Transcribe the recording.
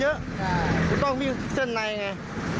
ใช่มันต้องมีเส้นในไง